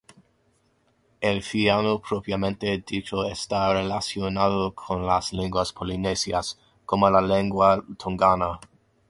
El fiyiano propiamente dicho está relacionado con las lenguas polinesias, como la lengua tongana.